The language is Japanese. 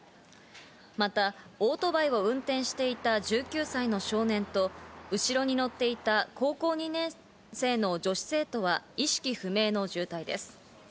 また、オートバイを運転していた１９歳の少年と後ろに乗っていた高校２年生の女子生徒は意識不明の重体です。